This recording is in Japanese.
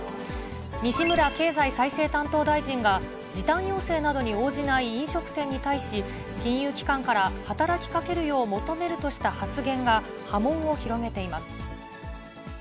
西村経済再生担当大臣が、時短要請などに応じない飲食店に対し、金融機関から働きかけるよう求めるとした発言が、波紋を広げています。